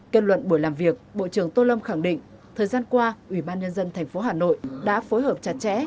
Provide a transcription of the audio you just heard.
kết luận buổi làm việc bộ trưởng tô lâm khẳng định thời gian qua ủy ban nhân dân tp hà nội đã phối hợp chặt chẽ